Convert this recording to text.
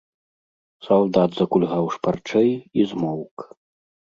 Салдат закульгаў шпарчэй і змоўк.